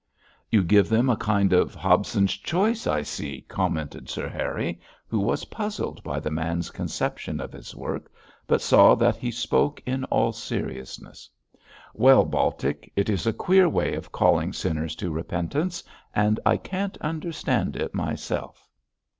'You give them a kind of Hobson's choice, I see,' commented Sir Harry, who was puzzled by the man's conception of his work, but saw that he spoke in all seriousness. 'Well, Baltic, it is a queer way of calling sinners to repentance, and I can't understand it myself.'